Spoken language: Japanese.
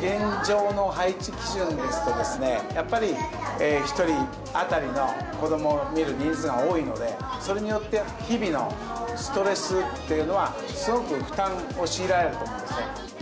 現状の配置基準ですと、やっぱり１人当たりの子どもを見る人数が多いので、それによって、日々のストレスっていうのは、すごく負担を強いられると思うんですね。